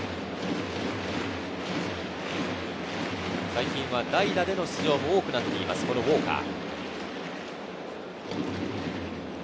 最近は代打での出場も多くなっています、ウォーカー。